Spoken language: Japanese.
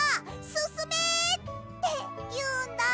すすめ！」っていうんだ。